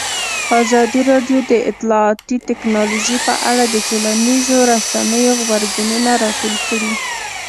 ازادي راډیو د اطلاعاتی تکنالوژي په اړه د ټولنیزو رسنیو غبرګونونه راټول کړي.